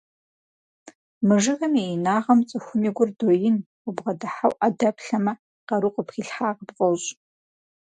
Мы жыгым и инагъым цӀыхум и гур доин, убгъэдыхьэу Ӏэ дэплъэмэ, къару къыпхилъхьа къыпфӀощӀ.